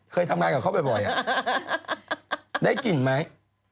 เคยทำงานกับเขาบ่อยได้กลิ่นไหม